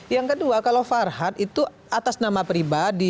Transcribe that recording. yang kedua kalau farhad itu atas nama pribadi